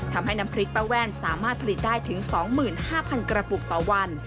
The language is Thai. ทำให้น้ำพริกป้าแว่นสามารถผลิตได้ถึง๒๕๐๐๐กระปุกต่อวัน